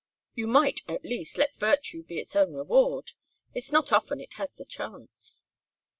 "You might, at least, let virtue be its own reward. It's not often it has the chance."